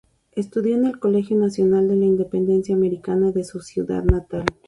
Estudió en el Colegio Nacional de la Independencia Americana, de su ciudad natal.